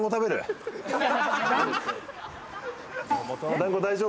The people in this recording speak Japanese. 団子大丈夫？